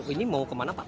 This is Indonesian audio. ini mau ke mana pak